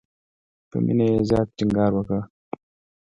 په مینه یې زیات ټینګار وکړ.